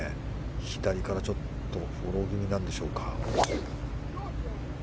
左からちょっとフォロー気味なんでしょうか。